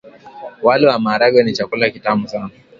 Wali na maharagwe ni chakula kitamu sana.